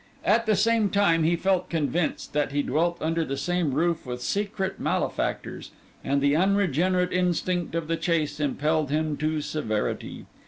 At the same time, he felt convinced that he dwelt under the same roof with secret malefactors; and the unregenerate instinct of the chase impelled him to severity.